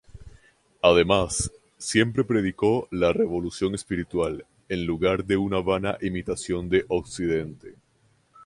Además, siempre predicó la revolución espiritual en lugar de una vana imitación de Occidente.